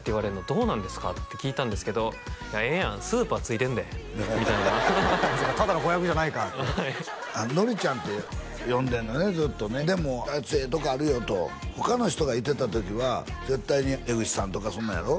「どうなんですか？」って聞いたんですけど「ええやんスーパーついてんで」みたいなただの子役じゃないからはいのりちゃんって呼んでんのねずっとねでも「あいつええとこあるよ」と他の人がいてた時は絶対に江口さんとかそんなんやろ？